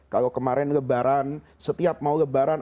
kalau kemarin lebaran setiap mau lebaran